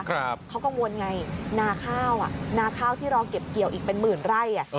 ครับเค้าก็วนไงหน้าข้าวอ่ะหน้าข้าวที่เราเก็บเกี่ยวอีกเป็นหมื่นไร่อ่ะ